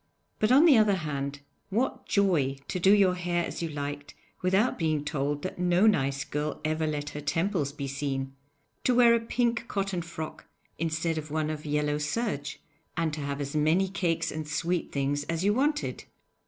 But on the other hand, what joy to do your hair as you liked without being told that no nice girl ever let her temples be seen; to wear a pink cotton frock instead of one of yellow serge, and to have as many cakes and sweet things as you wanted!